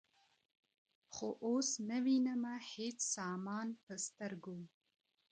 خو اوس نه وینمه هیڅ سامان په سترګو ..